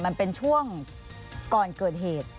การยิงปืนแบบไหน